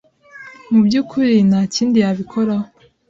Mu by’ukuri ntakindi yabikoraho